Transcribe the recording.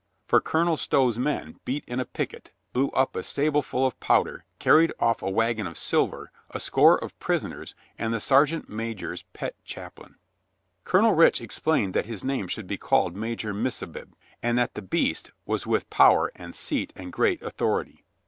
For Colonel Stow's men beat in a picket, blew up a stableful of powder, carried off a wagon of silver, a score of prisoners and the sergeant major's pet chaplain. Colonel Rich explained that his name should be called Magor Missabib and that the beast was with power and seat and great authority.